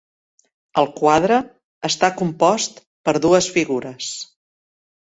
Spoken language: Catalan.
El quadre està compost per dues figures.